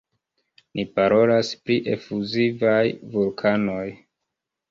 Ni parolas pri efuzivaj vulkanoj.